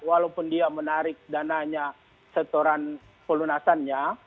walaupun dia menarik dananya setoran pelunasannya